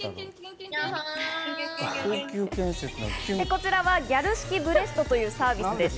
こちらはギャル式ブレストというサービスです。